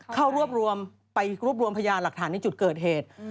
เข้ารวบรวมไปรวบรวมพยานหลักฐานในจุดเกิดเหตุ